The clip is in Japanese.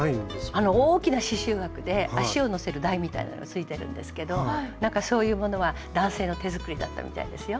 あの大きな刺しゅう枠で足を載せる台みたいのがついてるんですけどなんかそういうものは男性の手作りだったみたいですよ。